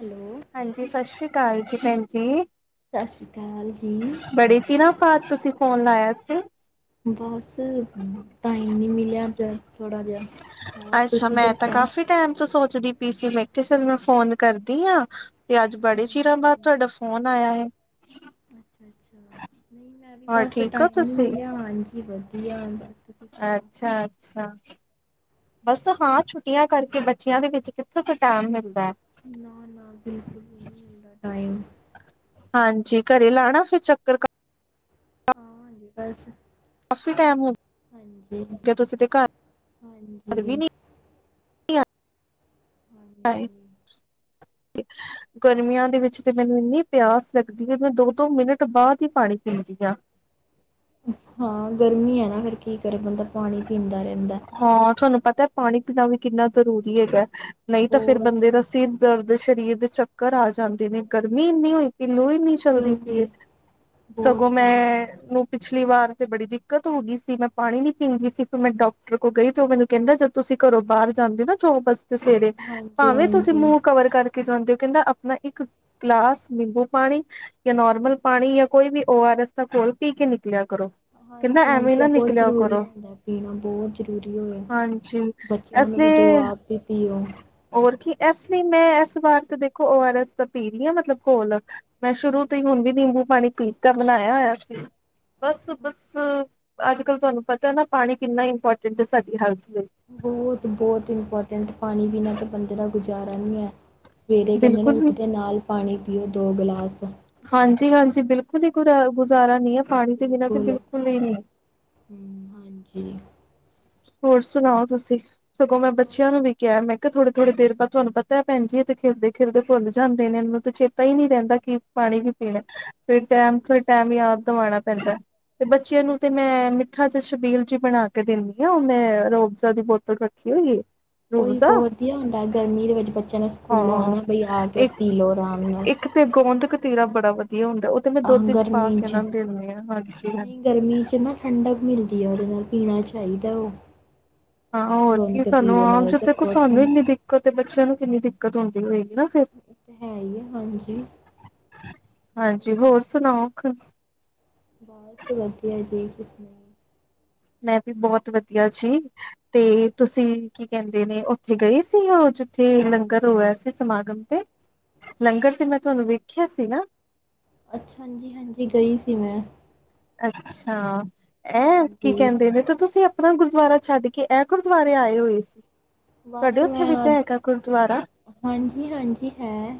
Hello. ਹਾਂਜੀ, ਸਤਿ ਸ਼੍ਰੀ ਅਕਾਲ ਜੀ ਭੈਣ ਜੀ। ਸਤਿ ਸ਼੍ਰੀ ਅਕਾਲ ਜੀ। ਪੜੀ ਸੀ ਨਾ। ਆਜ ਤੁਸੀਂ ਫ਼ੋਨ ਲਾਇਆ ਸੀ। ਬਸ, ਟਾਈਮ ਨੀ ਮਿਲਿਆ ਅਜ ਥੋੜਾ ਜਿਹਾ। ਹੋਰ ਅੱਛਾ ਤੁਸੀਂ ਮੈਂ ਤਾਂ ਦੱਸੋ ਕਾਫ਼ੀ ਟਾਈਮ ਤੋਂ ਸੋਚਦੀ ਪੀ ਸੀ, ਮੈਂ ਕਿਹਾ ਚੱਲ ਮੈਂ ਫੋਨ ਕਰਦੀ ਹਾਂ, ਤੇ ਅੱਜ ਬੜੇ ਚਿਰਾਂ ਹਾਂਜੀ ਬਾਅਦ ਤੁਹਾਡਾ ਫੋਨ ਆਇਆ ਹੈ ਅੱਛਾ ਅੱਛਾ ਹੋਰ ਬਸ ਠੀਕ ਹੋ ਟਾਈਮ ਹੀ ਨਹੀ ਤੁਸੀਂ ਮਿਲਿਆ, ਹਾਂਜੀ ਵਧੀਆ ਤੁਸੀ ਸੁਣਾਓ। ਅੱਛਾ ਅੱਛਾ, ਬਸ ਹਾਂ ਛੁੱਟੀਆਂ ਕਰਕੇ ਬੱਚਿਆਂ ਦੇ ਵਿੱਚ ਕਿੱਥੋਂ ਤਕ ਹੈ ਨਾ ਨਾ ਬਿਲਕੁਲ ਹੀ ਨਹੀਂ ਮਿਲਦਾ ਟਾਈਮ ਹਾਂਜੀ ਘਰੇ ਲਾਣਾ ਫਿਰ ਚੱਕਰ ਆ ਹਾਂਜੀ ਬਸ ਉਸੀ ਟਾਈਮ ਹੁਣ ਹਾਂਜੀ ਘਰ ਵੀ ਹਾਂਜੀ ਨੀ ਹਾਏ ਹਾਂਜੀ ਗਰਮੀਆਂ ਦੇ ਵਿੱਚ ਤੇ ਮੈਨੂੰ ਇੰਨੀ ਪਿਆਸ ਲੱਗਦੀ ਹੈ, ਮੈਂ ਦੋ ਦੋ ਮਿੰਟ ਬਾਅਦ ਹੀ ਪਾਣੀ ਪੀਂਦੀ ਹਾਂ। ਹਾਂ ਗਰਮੀ ਹੈ ਨਾ ਫਿਰ ਕੀ ਕਰੇ ਬੰਦਾ, ਪਾਣੀ ਪੀਂਦਾ ਰਹਿੰਦਾ। ਹਾਂ ਤੁਹਾਨੂੰ ਪਤਾ ਪਾਣੀ ਪੀਣਾ ਵੀ ਕਿੰਨਾ ਜ਼ਰੂਰੀ ਹੈਗਾ, ਨਹੀਂ ਤਾਂ ਫੇਿਰ ਬਹੁਤ ਬੰਦੇ ਦਾ ਸਿਰ ਦਰਦ, ਸਰੀਰ ਦੇ ਚੱਕਰ ਆ ਜਾਂਦੇ ਨੇ। ਗਰਮੀ ਇੰਨੀ ਹੋਈ ਪਈ ਹੈ, ਲੂ ਇੰਨੀ ਚੱਲਦੀ ਪੀ ਐ, ਗਰਮੀ ਬਹੁਤ ਸਗੋਂ ਬਹੁਤ ਮੈਂ। ਪਿਛਲੀ ਵਾਰ ਤੇ ਬੜੀ ਦਿੱਕਤ ਹੋ ਗਈ ਸੀ, ਮੈਂ ਪਾਣੀ ਨੀ ਪੀਂਦੀ ਸੀ, ਫਿਰ ਮੈਂ ਡਾਕ ਦੇਖੋ ਕਈ ਤੇ ਉਹ ਮੈਨੂੰ ਕਹਿੰਦਾ ਜਦ ਤੁਸੀਂ ਘਰੋਂ ਬਾਹਰ ਜਾਂਦੇ ਨਾ ਜੋਬ ਵਾਸਤੇ ਸਵੇਰੇ ਹਾਂਜੀ ਭਾਵੇਂ ਤੁਸੀਂ ਹਾਂਜੀ ਮੂੰਹ ਕਵਰ ਕਰਕੇ ਕੇ ਜਾਂਦੇ ਹੋ ਕਹਿੰਦਾ ਆਪਣਾ ਇੱਕ ਗਲਾਸ ਨਿੰਬੂ ਪਾਣੀ ਜਾਂ ਨੋਰਮਲ ਪਾਣੀ ਜਾਂ ਕੋਈ ਵੀ ਓ ਆਰ ਐਸ ਦਾ ਕੋਲ ਪੀ ਕੇ ਨਿਕਲਿਆ ਕਰੋ। ਕਹਿੰਦਾ ਹਾਂਜੀ ਐਵੇਂ ਹਾਂਜੀ ਨਾ ਉਹ ਬਹੁਤ ਨਿਕਲਿਆ ਜ਼ਰੂਰੀ ਕਰੋ ਹੁੰਦਾ ਪੀਣਾ ਬਹੁਤ ਜ਼ਰੂਰੀ ਏ ਹਾਂਜੀ ਬੱਚਿਆਂ ਇਸ ਨੂੰ ਵੀ ਦੋ ਲਈ ਆਪ ਕੇ ਪੀਓ। ਹੋਰ ਕੀ ਇਸ ਲਈ ਮੈਂ ਇਸ ਵਾਰ ਤਾਂ ਦੇਖੋ ਓ ਆਰ ਐਸ ਤਾਂ ਪੀ ਰਹੀ ਹਾਂ ਮਤਲਬ ਘੋਲ ਮੈਂ ਸ਼ੁਰੂ ਤੋਂ ਹੀ ਹਾਂਜੀ ਹੁਣ ਵੀ ਨਿੰਬੂ ਪਾਣੀ ਪੀ ਤਾਂ ਬਣਾਇਆ ਹੋਇਆ ਸੀ। ਬਸ ਅੱਛਾ ਬਸ ਅੱਛਾ ਅੱਜ ਕੱਲ੍ਹ ਤੁਹਾਨੂੰ ਪਤਾ ਹੈ ਨਾ ਪਾਣੀ ਕਿੰਨਾ ਇੰਪੋਰਟੈਂਟ ਹੈ ਸਾਡੀ ਹੈਲਥ ਵਿੱਚ ਬਹੁਤ ਬਹੁਤ ਇੰਪੋਰਟੈਂਟ ਪਾਣੀ ਬਿਨਾ ਤਾਂ ਬੰਦੇ ਦਾ ਗੁਜ਼ਾਰਾ ਨਹੀਂ ਹੈ। ਸਵੇਰੇ ਕਹਿੰਦੇ ਨੇ ਬਿਲਕੁਲ ਵੀ ਉੱਠਦੇ ਨਾਲ ਪਾਣੀ ਪੀਓ ਦੋ ਗਿਲਾਸ ਹਾਂਜੀ ਹਾਂਜੀ ਬਿਲਕੁਲ ਹੀ ਗੁ ਗੁਜ਼ਾਰਾ ਨਹੀਂ ਹੈ ਪਾਣੀ ਦੇ ਬਿਨਾਂ ਤੇ ਬਿਲਕੁਲ ਹੀ ਨਹੀਂ। ਹੂੰ ਹਾਂਜੀ। ਹੋਰ ਸੁਣਾਓ ਤੁਸੀਂ। ਸਗੋਂ ਮੈਂ ਬੱਚਿਆਂ ਨੂੰ ਹਾਂਜੀ ਵੀ ਕਿਹਾ ਮੈਂ ਤੇ ਥੋੜੇ ਥੋੜ੍ਹੇ ਦੇਰ ਬਾਅਦ ਤੁਹਾਨੂੰ ਪਤਾ ਹੈ ਭੈਣ ਜੀ ਖਿਲਦੇ ਖਿਲਦੇ ਭੁੱਲ ਜਾਂਦੇ ਨੇ ਇਹਨੂੰ ਤੇ ਚੇਤਾ ਹੀ ਨਹੀਂ ਰਹਿੰਦਾ ਕਿ ਪਾਣੀ ਵੀ ਪੀਣਾ ਫਿਰ ਟੈਮ ਸਿਰ ਟੈਮ ਯਾਦ ਦਵਾਉਣਾ ਪੈਂਦਾ। ਤੇ ਬੱਚਿਆਂ ਉਹ ਨੂੰ ਤੇ ਤਾਂ ਹੈ ਮੈਂ ਹੀ ਹੈ। ਮਿੱਠਾ ਜ ਛਬੀਲ ਜੀ ਬਣਾ ਕੇ ਦਿੰਦੀ। ਉਹ ਮੈਂ ਰੋਬਜ਼ਾ ਦੀ ਬੋਤਲ ਰੱਖੀ ਹੋਈ ਏ। ਉਹ ਵੀ ਰੂਬਜ਼ਾ ਬਹੁਤ ਵਧੀਆ ਹੁੰਦਾ ਗਰਮੀ ਦੇ ਵਿੱਚ ਬੱਚਿਆਂ ਨੇ ਸਕੂਲੋਂ ਹਾਂ ਆਣਾ ਬਈ ਆ ਕੇ ਇੱਕ ਪੀ ਲਓ ਆਰਾਮ ਨਾਲ। ਇੱਕ ਤੇ ਗੋਂਦ ਕਤੀਰਾ ਬੜਾ ਵਧੀਆ ਹੁੰਦਾ ਉਹ ਤੇ ਮੈਂ ਆਹ ਦੁੱਧ ਚ ਪਾ ਗਰਮੀ ਕੇ 'ਚ ਉਹਨਾਂ ਨੂੰ ਦਿੰਦੀ ਹਾਂ ਹਾਂਜੀ ਹਾਂ‌। ਨਹੀਂ ਗਰਮੀ ਚ ਨਾ ਠੰਡਕ ਮਿਲਦੀ ਹੈ ਉਹਦੇ ਨਾਲ ਪੀਣਾ ਚਾਹੀਦਾ ਉਹ ਹਾਂ ਹੋਰ ਕੀ ਗੋਂਦਕਤੀ ਸਾਨੂੰ ਦੇ ਆਮ ਨਾਲ ਤਾਂ ਜਦ ਬਹੁਤ ਸਾਨੂੰ ਠੰਡ ਇੰਨੀ ਦਿੱਕਤ ਬੱਚਿਆਂ ਨੂੰ ਕਿੰਨੀ ਦਿੱਕਤ ਹੁੰਦੀ ਹੋਏਗੀ ਨਾ ਫਿਰ। ਏ ਤਾਂ ਹੈ ਹੀ ਹੈ ਹਾਂਜੀ ਹਾਂਜੀ ਬਹੁਤ ਹੋਰ ਸੁਣਾਓ। ਬਸ ਵਧੀਆ ਜੀ। ਮੈਂ ਵੀ ਬਹੁਤ ਵਧੀਆ ਜੀ। ਤੇ ਤੁਸੀਂ ਕੀ ਕਹਿੰਦੇ ਨੇ ਉੱਥੇ ਗਏ ਸੀ ਉਹ ਜਿੱਥੇ ਲੰਗਰ ਹੋਇਆ ਸੀ ਸਮਾਗਮ ਤੇ ਲੰਗਰ ਤੇ ਮੈਂ ਤੁਹਾਨੂੰ ਵੇਖਿਆ ਸੀ ਨਾ। ਅੱਛਾ ਹਾਂਜੀ ਹਾਂਜੀ ਗਈ ਸੀ ਮੈਂ। ਅੱਛਾ ਐਂ ਕੀ ਹਾਂਜੀ ਕਹਿੰਦੇ ਨੇ ਤੇ ਤੁਸੀਂ ਆਪਣਾ ਗੁਰਦੁਆਰਾ ਛੱਡ ਕੇ ਇਹ ਗੁਰਦੁਆਰੇ ਆਏ ਹੋਏ ਸੀ ਤੁਹਾਡੇ ਬਸ ਉੱਥੇ ਮੈਂ ਵੀ ਤਾਂ ਹੈਗਾ ਗੁਰਦੁਆਰਾ ਹਾਂਜੀ- ਹਾਂਜੀ ਹੈ।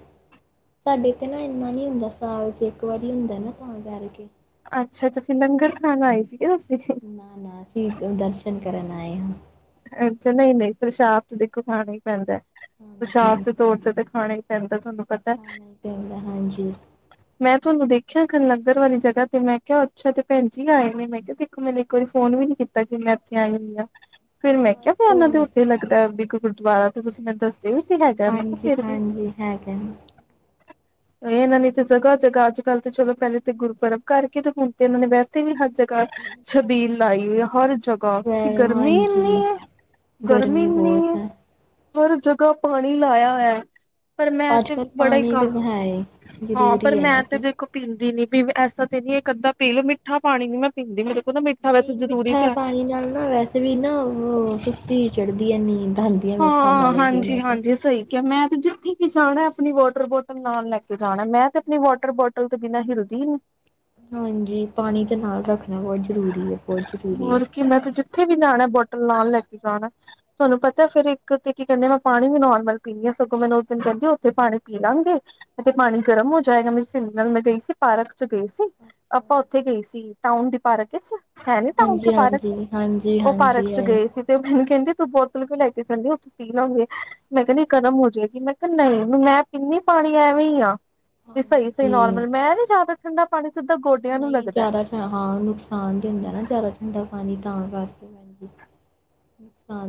ਸਾਡੇ ਤੇ ਨਾ ਇੰਨਾ ਨੀ ਹੁੰਦਾ ਸਾਲ ਚ ਇੱਕ ਵਾਰੀ ਹੁੰਦਾ ਨਾ ਤਾਂ ਕਰਕੇ ਅੱਛਾ- ਅੱਛਾ ਫਿਰ ਲੰਗਰ ਖਾਣਾ ਆਏ ਸੀਗੇ ਤੁਸੀਂ ਨਾ-ਨਾ ਅਸੀਂ ਦਰਸ਼ਨ ਕਰਨ ਆਏ ਹਾਂ। ਅੱਛਾ ਨਹੀਂ-ਨਹੀਂ ਪ੍ਰਸ਼ਾਦ ਤੇ ਦੇਖੋ ਖਾਣਾ ਹੀ ਪੈਂਦਾ ਪ੍ਰਸ਼ਾਦ ਹਾਂਜੀ ਦੇ ਤੌਰ ਤੇ ਤਾਂ ਖਾਣਾ ਹੀ ਪੈਂਦਾ ਤੁਹਾਨੂੰ ਪਤਾ। ਖਾਣਾ ਹੀ ਪੈਂਦਾ ਹਾਂਜੀ ਮੈਂ ਤੁਹਾਨੂੰ ਦੇਖਿਆ ਲੰਗਰ ਵਾਲੀ ਜਗਾ ਤੇ ਮੈਂ ਕਿਹਾ ਅੱਛਾ ਅੱਛਾ ਤ ਭੈਣ ਜੀ ਆਏ ਨੇ ਮੈਂ ਕਿਹਾ। ਮੈਨੂੰ ਇੱਕ ਵਾਰੀ ਫੋਨ ਵੀ ਨੀ ਕੀਤਾ ਕਿ ਮੈਂ ਇੱਥੇ ਆਈ ਹੋਈ ਹਾਂ। ਫਿਰ ਮੈਂ ਕਿਹਾ ਵੀ ਉਹਨਾਂ ਦੇ ਬਸ ਉੱਥੇ ਲੱਗਦਾ ਵੀ ਇੱਕ ਗੁਰਦੁਆਰਾ ਤੇ ਤੁਸੀਂ ਮੈਨੂੰ ਦੱਸਦੇ ਵੀ ਸੀ ਹੈ। ਫਿਰ ਵੀ ਹਾਂਜੀ-ਹਾਂਜੀ ਹੈਗਾ [inaudible] ਇਹਨਾਂ ਨੇ ਤੇ ਜਗ੍ਹਾ ਜਗ੍ਹਾ ਅੱਜ ਕੱਲ੍ਹ ਤੇ ਚਲੋ ਪਹਿਲੇ ਤੇ ਗੁਰਪੁਰਬ ਕਰਕੇ ਤੇ ਹੁਣ ਤੇ ਇਹਨਾਂ ਨੇ ਵੈਸੇ ਵੀ ਹਰ ਜਗਾਹ ਛਬੀਲ ਲਾਈ ਹੋਈ ਹਰ ਜਗਾ ਕਿਉਂਕਿ ਗਰਮੀ ਇੰਨੀ ਹੂੰ ਹੈ ਗਰਮੀ ਬਹੁਤ ਹੈ। ਹਰ ਜਗ੍ਹਾ ਪਾਣੀ ਲਾਇਆ ਹੋਇਆ ਹੈ। ਪਰ ਮੈਂ ਤੇ ਅੱਜ-ਕੱਲ੍ਹ ਬੜਾ ਹੀ ਪਾਣੀ ਤਾਂ ਹੈ ਏ ਕਮਫਰ ਹਾਂ ਪਰ ਜ਼ਰੂਰੀ ਹੈ ਨਾ ਮੈਂ ਤੇ ਕਿ ਦੇਖੋ। ਪੀਂਦੀ ਨੀ ਪੀ ਐਸਾ ਤੇ ਨੀ ਇਹ ਅੱਧਾ ਪੀ ਲੋਓ ਮਿੱਠਾ ਪਾਣੀ ਨੀ ਮੈਂ ਪੀਂਦੀ ਮੇਰੇ ਕੋਲ ਨਾ ਮਿੱਠਾ ਵੈਸੇ ਨਹੀਂ ਜ਼ਰੂਰੀ ਮਿੱਠਾ ਤਾਂ ਪਾਣੀ ਨਾਲ ਹੈ ਨਾ ਵੈਸੇ ਵੀ ਨਾ ਸੁਸਤੀ ਚੜ੍ਹਦੀ ਹੈ ਨੀਂਦ ਆਂਦੀ ਹੈ ਮਿਠਾਂ ਹਾਂ ਪਾਣੀ ਪੀਣ ਨਾਲ ਹਾਂਜੀ-ਹਾਂਜੀ ਸਹੀ ਮੈਂ ਤੇ ਜਿੱਥੇ ਵੀ ਜਾਣਾ ਆਪਣੀ ਵਾਟਰ ਬੋਟਲ ਨਾਲ ਲੈ ਕੇ ਜਾਣਾ ਮੈਂ ਤੇ ਆਪਣੀ ਵਾਟਰ ਬੋਟਲ। ਬੋਤਲ ਤੋਂ ਬਿਨਾ ਹਿਲਦੀ ਉਹ। ਹਾਂਜੀ ਪਾਣੀ ਤੇ ਨਾਲ ਰੱਖਣਾ ਬਹੁਤ ਜ਼ਰੂਰੀ ਹੈ, ਬਹੁਤ ਜ਼ਰੂਰੀ ਹੈ। ਕਿ ਮੈਂ ਤੇ ਜਿੱਥੇ ਵੀ ਜਾਣਾ ਬੋਟਲ ਨਾਲ ਲੈ ਕੇ ਜਾਣਾ। ਤੁਹਾਨੂੰ ਪਤਾ ਫਿਰ ਇੱਕ ਤੇ ਕੀ ਕਹਿੰਦੇ ਨੇ ਮੈਂ ਪਾਣੀ ਵੀ ਨੋਰਮਲ ਪੀਣੀ ਸਗੋਂ ਮੈਨੂੰ ਉਸ ਦਿਨ ਕਹਿੰਦੀ ਉੱਥੇ ਪਾਣੀ ਪੀ ਲਾਂਗੇ। ਏਥੇ ਪਾਣੀ ਹਾਂਜੀ ਗਰਮ ਹੋ ਜਾਏਗਾ ਮੇਰੀ ਸਹੇਲੀ ਨਾਲ ਮੈਂ ਗਈ ਸੀ ਪਾਰਕ ਚ ਗਈ ਸੀ। ਅੱਛਾ ਆਪਾਂ ਉੱਥੇ ਗਈ ਸੀ ਟਾਊਨ ਦੀ ਪਾਰਕ ਵਿੱਚ ਹੈ ਨੀ ਟਾਊਨ ਚ ਪਾਰਕ ਹਾਂਜੀ-ਹਾਂਜੀ, ਉਹ ਪਾਰਕ। ਹਾਂਜੀ-ਹਾਂਜੀ ਚ ਹੈ ਗਏ ਤੇ ਉਹ ਮੈਨੂੰ ਕਹਿੰਦੇ ਤੂੰ ਬੋਤਲ ਕਉ ਲੈ ਕੇ ਜਾਂਦੀ ਓ। ਪੀ ਲਾਓਗੇ ਮੈਂ ਕਹਿੰਦੀ ਗਰਮ ਹੋ ਜਾਏਗੀ ਮੈਂ ਕਿਹਾ ਨਹੀਂ ਮੈਂ ਪੀਨੀ ਪਾਣੀ ਐਵੇਂ ਹੀ ਆ। ਤੇ ਸਹੀ- ਸਹੀ ਹਾਂਜੀ। ਨੋਰਮਲ ਮੈਂ ਨੀ ਜ਼ਿਆਦਾ ਠੰਡਾ ਪਾਣੀ ਸਿੱਧਾ ਗੋਡਿਆਂ ਨੂੰ ਨਹੀਂ ਲੱਗਦਾ। ਜ਼ਿਆਦਾ ਹਾਂ ਨੁਕਸਾਨ ਤੇ ਹੁੰਦਾ ਨਾ ਜ਼ਿਆਦਾ ਠੰਡਾ ਪਾਣੀ ਤਾਂ ਕਰਕੇ। ਹਾਂ।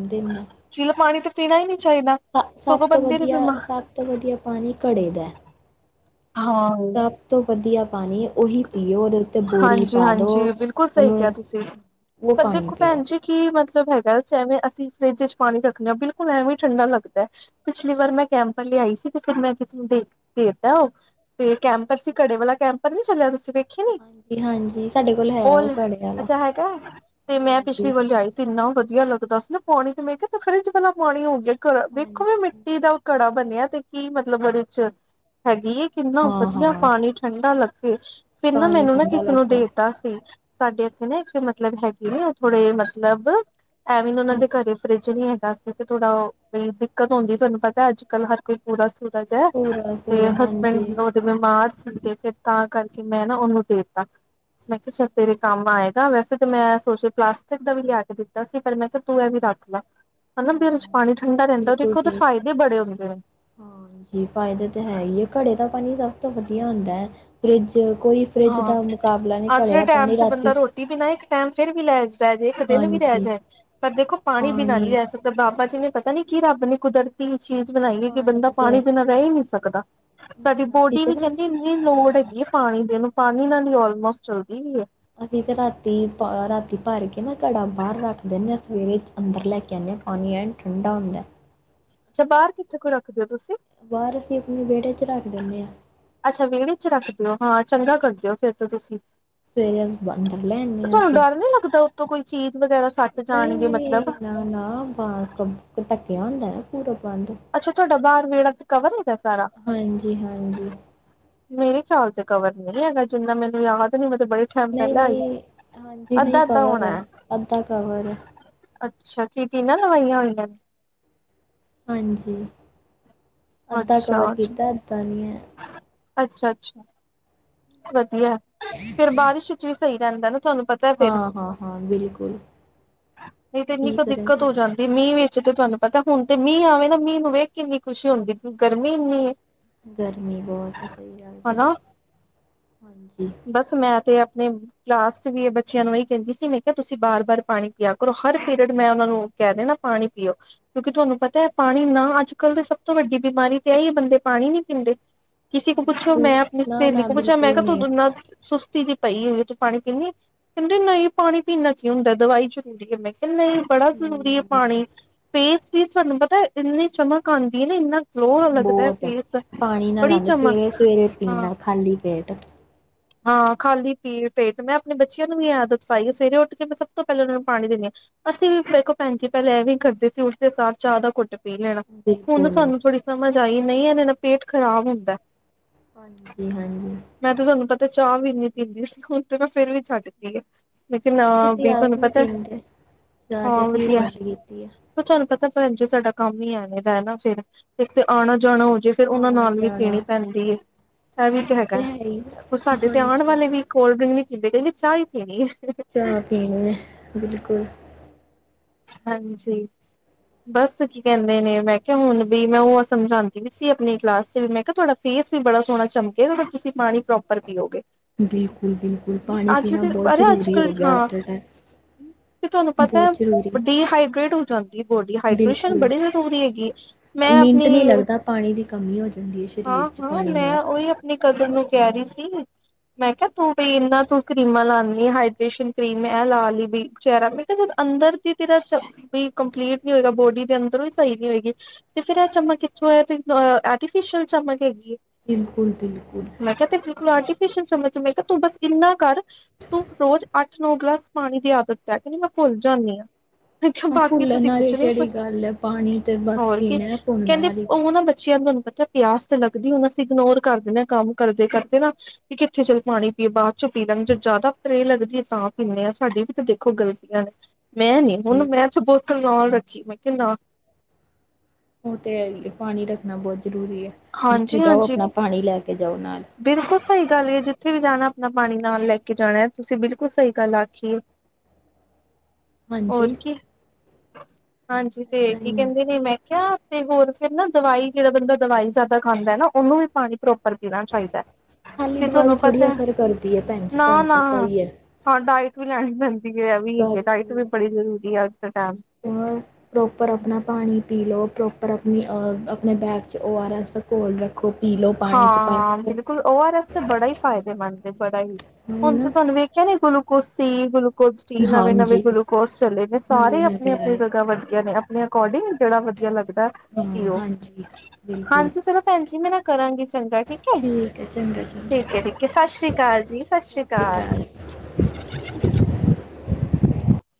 ਚਿਲ ਪਾਣੀ ਤੇ ਪੀਣਾ ਹੀ ਨਈ ਚਾਹੀਦਾ। ਸਭ ਸਗੋਂ ਤੋਂ ਬੰਦੇ ਦੀ ਵਧੀਆ, ਬਿਮਾ ਸਭ ਤੋਂ ਵਧੀਆ ਪਾਣੀ, ਘੜੇ ਦਾ। ਹਾਂ। ਸਭ ਤੋਂ ਵਧੀਆ ਪਾਣੀ ਉਹੀ ਪੀਓ ਉਹਦੇ। ਉੱਤੇ ਬੋਰੀ ਹਾਂਜੀ, ਪਾ ਦੋ ਹਾਂਜੀ, ਬਿਲਕੁਲ ਸਹੀ ਕਿਹਾ ਉਹਨੂੰ ਤੁਸੀਂ ਉਹ ਪਰ ਪਾਣੀ ਦੇਖੋ ਪੀਓ ਭੈਣ ਜੀ। ਕਿ ਮਤਲਬ ਹੈਗਾ ਜਿਵੇਂ ਅਸੀਂ ਫਰਿੱਜ ਚ ਪਾਣੀ ਰੱਖਣੇ ਹਾਂ ਬਿਲਕੁਲ ਐਵੇਂ ਠੰਡਾ ਲੱਗਦਾ ਹੈ। ਪਿਛਲੀ ਵਾਰ ਮੈਂ ਕੈਂਪਰ ਲਿਆਈ ਸੀ ਤੇ ਫਿਰ ਮੈਂ ਕਿਸੇ ਨੂੰ ਦੇ ਦੇਤਾ ਉਹ। ਤੇ ਕੈਂਪਰ ਸੀ ਅੱਛਾ ਘੜੇ ਅੱਛਾ। ਵਾਲਾ ਕੈਂਪਰ ਨੀ ਚੱਲਿਆ ਤੁਸੀਂ ਵੇਖੇ ਨੀ? ਹਾਂਜੀ। ਸਾਡੇ ਕੋਲ ਹੈ ਉਹ ਘੜੇ ਵਾਲਾ ਅੱਛਾ ਹੈਗਾ, ਤੇ ਮੈਂ ਪਿਛਲੀ ਹਾਂਜੀ ਵਾਰੀ ਆਈ। ਇੰਨਾ ਵਧੀਆ ਲੱਗਦਾ ਸੀ ਨਾ ਪਾਣੀ ਤੇ ਮੈਂ ਕਿਹਾ ਫਰਿਜ ਵਾਲਾ ਪਾਣੀ ਹੋ ਗਿਆ। ਘਰ ਵੇਖੋ ਵੀ ਹਾਂਜੀ ਮਿੱਟੀ ਦਾ। ਘੜਾ ਬੰਨਿਆ ਤੇ ਕੀ ਮਤਲਬ ਓਦੇ ਚ। ਹੈਗੀ ਕਿੰਨਾ ਹਾਂ ਵਧੀਆ ਹਾਂ ਪਾਣੀ ਠੰਡਾ ਲੱਗੇ ਫਿਰ ਨਾ ਪਾਣੀ ਮੈਨੂੰ ਨਾ। ਠੰਡਾ ਲੱਗਦਾ ਦਸ ਇੰਚ ਸਾਡੇ ਇੱਥੇ ਨਾ ਇੱਥੇ ਮਤਲਬ ਹੈਗੇ ਨ ਉਹ ਥੋੜੇ ਮਤਲਬ। ਅੱਛਾ ਐਵੇਂ ਨਾ ਉਹਨਾਂ ਅੱਛਾ ਦੇ ਘਰੇ ਫਰਿੱਜ ਨਈ ਹੈਗਾ ਇਸ ਕਰਕੇ ਥੋੜ੍ਹਾ ਦਿੱਕਤ ਹੁੰਦੀ ਸੀ ਤੁਹਾਨੂੰ ਪਤਾ ਅੱਜ ਕੱਲ ਹਰ। ਕੋਈ ਕੂੜਾ ਸੁੱਟਦਾ ਹੈ ਪੂਰਾ ਤੇ ਪੂਰਾ ਹਾਂਜੀ ਹਸਬੈਂਡ। ਬਿਮਾਰ ਸੀਗੇ ਫਿਰ ਤਾਂ ਕਰਕੇ ਮੈਂ ਨਾ ਉਹਨੂੰ ਦੇਤਾ ਮੈਂ ਕਿਹਾ। ਤੇਰੇ ਕੰਮ ਆਏਗਾ। ਵੈਸੇ ਤਾਂ ਮੈਂ ਸੋਚ ਪਲਾਸਟਿਕ ਦਾ ਵੀ ਲਿਆ ਕੇ ਦਿੱਤਾ ਸੀ। ਪਰ ਮੈਂ ਕਿਹਾ ਤੂੰ ਇਹ ਵੀ ਰੱਖ ਲੈ। ਹੈ ਨਾ ਫਿਰ ਉਸ ਵਿੱਚ ਹਾਂ ਪਾਣੀ ਠੰਡਾ ਰਹਿੰਦਾ ਬਿਲਕੁਲ ਉਹ ਉਹਦੇ ਠੀਕ ਫਾਇਦੇ ਬੜੇ ਹੁੰਦੇ ਨੇ। ਹਾਂਜੀ ਫਾਇਦੇ ਤਾਂ ਹੈ ਹੀ ਹੈ। ਘੜੇ ਦਾ ਪਾਣੀ ਸਭ ਤੋਂ ਵਧੀਆ ਹੁੰਦਾ ਹੈ। ਫਰਿੱਜ ਕੋਈ ਫਰਿੱਜ ਹਾਂ ਦਾ ਮੁਕਾਬਲਾ ਨਹੀਂ ਅੱਜ ਘੜੇ ਦੇ ਦਾ ਟਾਈਮ ਪਾਣੀ ਚ ਰਾਤੀ। ਬੰਦਾ ਰੋਟੀ ਬਿਨਾ ਇੱਕ ਟਾਈਮ ਫੇਰ ਵੀ ਰਹਿ ਜਾਏ ਇੱਕ ਦਿਨ ਵੀ ਰਹਿ ਹਾਂਜੀ ਜਾਏ ਪਰ ਦੇਖੋ ਪਾਣੀ ਬਿਨਾਂ ਨਹੀਂ ਰਹਿ ਸਕਦਾ। ਤੇ ਬਾਬਾ ਜੀ ਨੇ ਪਤਾ ਨੀ ਕੀ ਰੱਬ ਨੇ ਕੁਦਰਤ। ਚੀਜ਼ ਬਣਾਈਏ ਕਿ ਬੰਦਾ ਪਾਣੀ ਬਿਨਾਂ ਰਹਿ ਹੀ ਨਹੀਂੀ ਸਕਦਾ ਨਾ ਸਾਡੀ ਨਾ ਅਸੀਂ ਬੋਡੀ ਤੇ ਵੀ ਨਾ ਕਹਿੰਦੀ। ਲੋੜ ਹਾਂ ਹੈਗੀ ਹੈ ਪਾਣੀ ਦੇ ਨੂੰ ਪਾਣੀ ਨਾਲ ਦੀ ਆਲਮੋਸਟ ਚੱਲਦੀ ਵੀਈ ਹੈ। ਅਸੀਂ ਤੇ ਰਾਤੀ ਰਾਤੀ ਭਰ ਕੇ ਨਾ ਘੜਾ ਬਾਹਰ ਰੱਖ ਦਿੰਦੇ ਹਾਂ ਸਵੇਰੇ। ਅੰਦਰ ਲੈ ਕੇ ਆਨੇ ਪਾਣੀ ਐਨ ਠੰਡਾ ਹੁੰਦਾ ਹੈ ਅੱਛਾ ਬਾਹਰ ਕਿੱਥੇ ਕੋ ਰੱਖਦੇ ਹੋ ਤੁਸੀਂ। ਬਾਹਰ ਅਸੀਂ ਆਪਣੇ ਵਿਹੜੇ ਚ ਰੱਖ ਦਿੰਦੇ ਹਾਂ। ਅੱਛਾ, ਵਿਹੜੇ ਚ ਰੱਖਦੇ ਓ ਹਾਂ ਚੰਗਾ ਹੋਰ ਕਰਦੇ ਓ ਫਿਰ ਤਾਂ ਤੁਸੀਂ। ਸਵੇਰੇ ਅੰਦਰ ਲੈ ਤੇ ਆਉਂਦੇ ਹਾਂ ਤੁਹਾਨੂੰ ਅਸੀਂ ਡਰ ਨੀ ਲੱਗਦਾ ਉੱਤੋਂ ਕੋਈ ਚੀਜ਼ ਵਗੈਰਾ ਸੱਟ ਨਹੀਂ ਜਾਣਗੇ ਮਤਲਬ। ਨਹੀਂ ਨਾ- ਨਾ ਢੱਕਿਆ ਹੁੰਦਾ ਨਾ ਪੂਰਾ ਬੰਦ। ਅੱਛਾ ਤੁਹਾਡਾ ਬਾਹਰ ਵਿਹੜਾ ਤੇ ਕਵਰ ਹੈਗਾ ਸਾਰਾ। ਹਾਂਜੀ-ਹਾਂਜੀ, ਮੇਰੇ ਖਿਆਲ ਤੇ ਕਵਰ ਨਹੀ ਹੈਗਾ ਜਿੰਨਾ ਮੈਨੂੰ ਯਾਦ ਨਹੀ ਮੈਂ ਬੜੇ। ਸ਼ਮ ਪਹਿਲਾ ਆਈ ਨਹੀਂ-ਨਹੀਂ ਹਾਂਜੀ ਨਹੀਂ ਅੱਧਾ ਅੱਧਾ ਕਵਰ ਐ, ਹੋਣਾ ਹੈ। ਅੱਧਾ ਕਵਰ ਐ, ਅੱਛਾ ਕੀ ਟੀਨਾ ਲਵਾਈਆਂ ਹੋਈਆ ਨੇ। ਹਾਂਜੀ ਅੱਧਾ ਕਵਰ ਅੱਛਾ ਕੀਤਾ ਅੱਧਾ ਨਹੀਂ ਹੈ। ਅੱਛਾ ਅੱਛਾ। ਵਧੀਆ ਫੇਿਰ ਬਾਰਿਸ਼ ਵਿੱਚ ਵੀ ਸਹੀ ਰਹਿੰਦਾ ਨਾ ਤੁਹਾਨੂੰ ਪਤਾ। ਫਿਰ ਹਾਂ-ਹਾਂ-ਹਾਂ ਬਿਲਕੁਲ। ਨਹੀਂ ਤੇ ਇੰਨੀ ਕੁ ਠੀਕ ਦਿੱਕਤ ਰਹਿੰਦਾ, ਹੋ ਜਾਂਦੀ। ਮੀਂਹ ਵਿੱਚ ਤੇ ਤੁਹਾਨੂੰ ਪਤਾ ਹੁਣ ਤੇ ਮੀਂਹ ਆਵੇ ਨਾ ਮੀਂਹ ਨੂੰ ਵੇਖ ਕੇ ਕਿੰਨੀ ਖੁਸ਼ੀ ਹੁੰਦੀ ਗਰਮੀ ਇੰਨੀ ਹੈ। ਗਰਮੀ ਬਹੁਤ ਹੈ, ਸਹੀ ਗੱਲ ਜੀ ਹਨਾ ਹਾਂਜੀ। ਬਸ ਮੈਂ ਤੇ ਆਪਣੇ। ਕਲਾਸ ਚ ਵੀ ਇਹ ਬੱਚਿਆਂ ਨੂੰ ਇਹਹੀ ਕਹਿੰਦੀ ਸੀ, ਮੈਂ ਕਿਹਾ ਤੁਸੀਂ ਬਾਰ ਬਾਰ ਪਾਣੀ ਪਿਆ ਕਰੋ। ਕਹਿ ਦੇ ਨਾ ਪਾਣੀ ਪੀਓ। ਕਿਉਂਕਿ ਤੁਹਾਨੂੰ ਪਤਾ ਹੈ ਪਾਣੀ ਨਾ ਅੱਜ ਕੱਲ ਦੇ ਸਭ ਤੋਂ ਵੱਡੀ ਬਿਮਾਰੀ ਤੇ ਇਹ ਹੀ ਬੰਦੇ ਪਾਣੀ ਨੀ ਪੀਂਦੇ਼। ਕਿਸੇ ਕੋ ਪੁੱਛੋ ਹਾਂਜੀ, ਮੈਂ ਆਪਣੀ ਸਹੇਲੀ ਨਾ-ਨਾ ਕੋ ਪੁੱਛਿਆ। ਬਿਲਕੁਲ ਨੀ, ਸੁਸਤੀ ਜੀ ਪਈ ਹੋਵੇ ਤੂੰ ਪਾਣੀ ਪੀਂਨੀ ਕਹਿੰਦੇ ਨਹੀਂ ਪਾਣੀ ਪੀਂਣ ਨਾਲ਼ ਕੀ ਹੁੰਦਾ ਦਵਾਈ ਚ ਹੁੰਦੀ ਹੈ। ਨਹੀਂ ਬੜਾ ਜ਼ਰੂਰੀ ਹੈ ਹੂੰ ਪਾਣੀ ਫੇਸ ਤੇ ਵੀ ਤੁਹਾਨੂੰ ਪਤਾ ਇੰਨੀ ਚਮਕ ਆਉਂਦੀ ਹੈ ਨਾ ਇੰਨਾ। ਗਲੋ ਲੱਗਦਾ ਬਹੁਤ ਫੇਸ ਪਾਣੀ ਨਾ ਬੜੀ ਆਉਂਦਾ ਚਮਕ ਸਵੇਰੇ ਸਵੇਰੇ ਪੀਣ ਹਾਂ ਨਾਲ ਖਾਲੀ ਪੇਟ। ਹਾਂ ਖਾਲੀ ਪੇਟ ਮੈਂ ਆਪਣੇ ਬੱਚਿਆਂ ਨੂੰ ਵੀ ਆਦਤ ਪਾਈ ਸਵੇਰੇ ਉੱਠ ਕੇ ਮੈਂ ਸਭ ਤੋਂ ਪਹਿਲਾਂ ਉਹਨਾਂ ਨੂੰ ਪਾਣੀ ਦਿੰਦੀ ਹਾਂ। ਅਸੀਂ ਵੀ ਵੇਖੋ ਭੈਣ ਜੀ ਪਹਿਲਾਂ ਐਵੇਂ ਕਰਦੇ ਸੀ ਉਟਦੇ ਸਾਰ ਚਾਹ ਦਾ ਕੁੱਟ ਪੀਣਾ। ਪੀ ਲੈਣਾ ਹੁਣ ਬਿਲਕੁਲ। ਸਾਨੂੰ ਥੋੜੀ ਸਮਝ ਆਈ ਨਹੀਂ ਇਹਦੇ ਨਾਲ ਪੇਟ ਖ਼ਰਾਬ ਹੁੰਦਾ। ਹਾਂਜੀ ਹਾਂਜੀ। ਮੈਂ ਤੇ ਤੁਹਾਨੂੰ ਪਤਾ ਚਾਹ ਵੀ ਨੀ ਪੀਂਦੀ ਸੀ ਹੁਣ ਤੇ ਮੈਂ ਫੇਰ ਵੀ ਛੱਡ ਕੇ ਆ। ਲੇਕਿਨ ਅਸੀਂ ਵੀ ਆਪ ਤੁਹਾਨੂੰ ਨੀ ਪਤਾ ਹੈ ਪੀਂਦੇ, ਚਾਹ ਤੇ ਹਾਂ ਅਸੀਂ ਵੀ ਵਧੀਆ। ਬੰਦ ਕੀਤੀ ਐ। ਤੁਹਾਨੂੰ ਪਤਾ ਭੈਣ ਜੇ ਸਾਡਾ ਕੰਮ ਹੀ ਐ ਦਾ ਨਾ ਫੇਰ ਇੱਕ ਤੇ ਆਉਣਾ ਜਾਣਾ ਹੋ ਜ ਫੇਰ ਉਹਨਾਂ ਆਉਣਾ ਨਾਲ ਵੀ ਪੀਣੀ ਜਾਣਾ ਪੈਂਦੀ ਹੈ ਇਹ ਵੀ ਤੇ ਉਹ ਹੈਗਾ। ਹੈ ਹੀ ਉਹ ਸਾਡੇ ਤੇ ਆਉਣ ਹਾਂਜੀ ਵਾਲੇ ਵੀ ਕੋਲਡ ਡਰਿੰਕ ਨਹੀਂ ਪੀਂਦੇ ਕਹਿੰਦੇ ਚਾਹ ਹੀ ਪੀਣੀ ਹੈ। ਚਾਹ ਪੀਣੀ ਹੈ ਬਿਲਕੁਲ। ਹਾਂਜੀ। ਬਸ ਕੀ ਕਹਿੰਦੇ ਨੇ ਮੈਂ ਕਿਹਾ ਹੁਣ ਵੀ ਮੈਂ ਉਹ ਆ ਸਮਝਾਉਂਦੀ ਵੀ ਸੀ। ਆਪਣੀ ਕਲਾਸ ਚ ਵੀ ਮੈਂ ਕਿਹਾ ਥੋੜਾ ਫੇਸ ਵੀ ਬੜਾ ਸੋਹਣਾ ਚਮਕੇ ਉ ਤੁਸੀਂ ਪਾਣੀ ਪ੍ਰੋਪਰ ਪੀਓਗੇ। ਬਿਲਕੁਲ ਬਿਲਕੁਲ ਪਾਣੀ ਅੱਜ ਪੀਣਾ ਦੇ ਬਹੁਤ ਜ਼ਰੂਰੀ ਹੋ ਗਿਆ ਅੱਜ ਦੇ ਟਾਈਮ। ਵੀ ਤੁਹਾਨੂੰ ਪਤਾ ਹੈ ਬਹੁਤ ਜ਼ਰੂਰੀ ਡੀਹਾਈਡਰੇਟ ਹੋ ਜਾਂਦਾ। ਬੋਡੀ ਹਾਈਡ੍ਰੇਸ਼ਨ ਬਿਲਕੁਲ ਬੜੀ ਜ਼ਰੂਰੀ ਹੈਗੀ ਮੈਂ ਮਿੰਟ ਆਪਣੀ ਨਹੀਂ ਲੱਗਦਾ ਪਾਣੀ ਦੀ ਕਮੀ ਹੋ ਜਾਂਦੀ ਹੈ ਸਰੀਰ ਹਾਂ। 'ਚ ਹਾਂ ਪਾਣੀ ਨਾ ਮੈਂ ਪੀਣ ਉਹੀ ਨਾਲ ਆਪਣੀ ਕਜ਼ਨ ਨੂੰ ਕਹਿ ਰਹੀ ਸੀ ਮੈਂ ਕਿਹਾ ਤੂੰ ਵੀ ਇਹਨਾਂ ਤੂੰ ਕਰੀਮਾਂ ਲਾਨੀ ਹਾਈਡ੍ਰੇਸ਼ਨ ਕੀ੍ਮ ਮੈਂ ਏ ਲਾ ਲਈ ਹੀ ਬਈ ਚਿਹਰਾ ਮੈਂ ਕਿਹਾ ਜ ਅੰਦਰ ਤੇਰਾ ਵੀ ਕੰਪਲੀਟ ਨਹੀਂ ਹੋਏਗਾ ਬੋਡੀ ਦੇ ਅੰਦਰੋਂ ਵੀ ਸਹੀ ਨੀ ਹੋਏਗੀ ਤੇ ਫੇਰ ਆਹ ਚਮਕ ਇੱਥੋਂ ਆ ਆਰਟੀਫਿਸ਼ਅਲ ਚਮਕ ਹੈਗੀ ਹੈ ਬਿਲਕੁਲ- ਬਿਲਕੁਲ ਮੈ ਕਿਹਾ ਤੇ ਅਰਟੀਫ਼ਿਸ਼ਲ ਕਮਚ ਚ ਮੈਂ ਕਿਹਾ ਤੂੰ ਬਸ ਇੰਨਾ ਕਰ ਤੂੰ ਰੋਜ਼ ਅੱਠ ਨੋ ਗਲਾਸ ਪਾਣੀ ਦੀ ਆਦਤ ਪੈ ਕਹਿੰਦੀ ਮੈਂ ਭੁੱਲ ਜਾਂਦੀ ਹਾਂ ਹਾਂ ਬਾਕੀ ਭੁੱਲਣ ਤੁਸੀਂ ਕੁਛ ਵਾਲੀ ਨੀ ਕਿਹੜੀ ਗੱਲ ਹੈ ਪਾਣੀ ਤੇ ਬਸ ਹੋਰ ਕੀ ਪੀਣਾ ਭੁੱਲਣ ਕਹਿੰਦੇ ਵਾਲੀ ਉਹ ਨਾ ਬੱਚਿਆਂ ਨੂੰ ਤੁਹਾਨੂੰ ਪਤਾ ਪਿਆਸ ਤੇ ਲੱਗਦੀ ਹੁਣ ਅਸੀਂ ਇਗਨੋਰ ਕਰ ਦਿੰਦੇ ਹਾਂ, ਕੰਮ ਕਰਦੇ-ਕਰਦੇ ਨਾ। ਵੀ ਕਿੱਥੇ ਚੱਲ ਪਾਣੀ ਪੀਏ ਬਾਅਦ ਚੋਂ ਪੀ ਲਾਂਗੇ, ਜੇ ਜ਼ਿਆਦਾ ਤ੍ਰੇਹ ਲੱਗਦੀ ਹੈ, ਤਾਂ ਪੀਂਨੇ ਹਾਂ। ਸਾਡੀ ਵੀ ਤਾਂ ਦੇਖੋ ਗਲਤੀਆਂ ਨੇ। ਮੈਂ ਨੀ ਹੁਣ, ਹਾਂਜੀ ਮੈਂ ਤ ਬੋਤਲ ਨਾਲ ਰੱਖੀ, ਮੈਂ ਕਿਹਾ ਨਾ ਉਹ ਤੇ ਪਾਣੀ ਰੱਖਣਾ ਬਹੁਤ ਜ਼ਰੂਰੀ ਹੈ। ਜਿੱਥੇ ਹਾਂਜੀ ਜਾਓ ਹਾਂਜੀ ਆਪਣਾ ਪਾਣੀ ਲੈ ਕੇ ਜਾਓ ਨਾਲ ਬਿਲਕੁਲ ਸਹੀ ਗੱਲ ਹੈ। ਜਿੱਥੇ ਵੀ ਜਾਣਾ ਆਪਣਾ ਪਾਣੀ ਨਾਲ ਲੈ ਕੇ ਜਾਣਾ ਤੁਸੀਂ ਬਿਲਕੁਲ ਸਹੀ ਗੱਲ ਆਖੀਏ [inaudible] ਹੋਰ ਹਾਂਜੀ ਕੀ ਹਾਂਜੀ ਤੇ ਏਦਾਂ ਕੀ ਹੀ ਆ ਕਹਿੰਦੇ ਨੇ ਮੈਂ ਕਿਹਾ। ਤੇ ਹੋਰ ਫਿਰ ਨਾ ਦਵਾਈ ਜਿਹੜਾ ਬੰਦਾ ਦਵਾਈ ਜ਼ਿਆਦਾ਼ ਖਾਂਦਾ ਹੈ ਨਾ ਉਹਨੂੰ ਵੀ ਪਾਣੀ ਪ੍ਰੋਪਰ ਪੀਣਾ ਚਾਹੀਦਾ ਹੈ਼। ਖਾਲੀ ਦਵਾਂਈ ਥੋੜ੍ਹੀ ਅਸਰ ਕਰਦੀ ਹੈ ਭੈਣ ਜੀ ਨਾ ਤੁਹਾਨੂੰ ਨਾ ਪਤਾ ਹੀ ਹੈ। ਹਾਂ ਡਾਇਟ ਵੀ ਲੈਣੀ ਪੈਂਦੀ ਹੈ ਵੀ ਹੈਗੀ ਡਾਇਟ ਵੀ ਬੜੀ ਜ਼ਰੂਰੀ ਹੈ। ਅੱਜ ਦੇ ਟਾਈਮ ਤੇ ਹੋਰ ਪ੍ਰੋਪਰ ਆਪਣਾ ਪਾਣੀ ਪੀ ਲਓ। ਪਰ ਆਪਣੀ ਆਪਣੇ ਬੈਗ 'ਚ ਓ ਆਰ ਐਸ ਘੋਲ ਰੱਖੋ ਪੀ ਲਓ ਹਾਂ ਪਾਣੀ 'ਚ ਪਾ ਹਾਂ ਕੇ। ਬਿਲਕੁਲ, ਓ ਆਰ ਐਸ ਤੇ ਬੜਾ ਹੀ ਫ਼ਾਇਦੇਮੰਦ ਹੈ, ਬੜਾ ਹੀ ਨਹੀਂ ਹੁਣ ਤੇ, ਨਾ ਤੁਹਾਨੂੰ ਵੇਖ ਕਹਿੰਦੇ ਗਲੂਕੋਜ ਸੀ, ਗਲੂਕੋਜ ਨਵੇਂ-ਨਵੇਂ ਹਾਂਜੀ ਗਲੂਕੋਸ ਚਲੇ ਨੇ, ਨਵੇਂ ਸਾਰੇ ਨਵੇਂ ਆਪਣੀ-ਆਪਣੀ ਆਏ ਜਗਾ ਵੱਧੀਆਂ ਨੇ, ਅਪਣੇ ਅਕੋਰਡਿੰਗ ਜਿਹੜਾ ਵਧੀਆ ਲੱਗਦਾ ਹਾਂ ਪੀਓ, ਹਾਂਜੀ ਬਿਲਕੁਲ ਹਾਂਜੀ ਚਲੋ ਭੈਣ ਜੀ, ਮੈਂ ਨਾ ਕਰਾਂਗੀ ਚੰਗ ਠੀਕ ਠੀਕ ਹੈ ਚੰਗਾ ਚੰਗਾ ਏ-ਠੀਕ ਏ, ਠੀਕ, ਸਤਿ ਸ੍ਰੀ ਅਕਾਲ ਜੀ, ਸਤਿ ਸ਼੍ਰੀ ਅਕਾਲ। ਅੱਾ [inaudible]